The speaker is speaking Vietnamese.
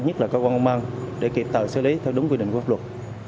nhất là cơ quan công an để kịp thời xử lý theo đúng quy định của pháp luật